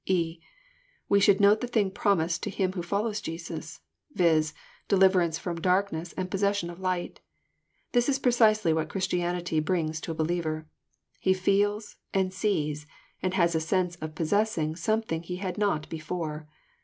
(e) We should note the thing promised to him who follows Jesus, — viz., deliverance from darkness and possession of light. This is precisely what Christianity brings to a believer. He feels, and sees, and has a sense of possessing something he had not before.